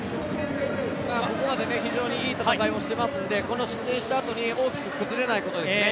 ここまで非常にいい戦いをしていますので、失点したあとに大きく崩れないことですね